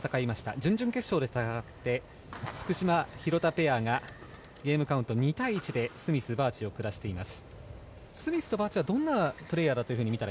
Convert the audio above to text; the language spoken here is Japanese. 準々決勝で戦って福島、廣田ペアがゲームカウント２対１でスミス、バーチを下しています